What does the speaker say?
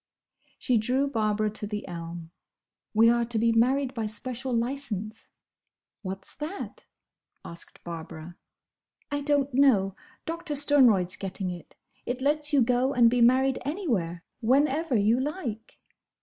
She drew Barbara to the elm. "We are to be married by special licence." "What's that?" asked Barbara. "I don't know. Doctor Sternroyd's getting it. It lets you go and be married anywhere, whenever you like."